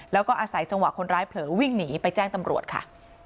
แล้วก็อาศัยจังหวะคนร้ายเผลอวิ่งหนีไปแจ้งตำรวจค่ะ